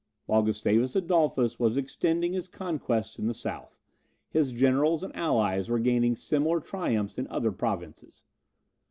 While Gustavus Adolphus was extending his conquests in the south, his generals and allies were gaining similar triumphs in the other provinces.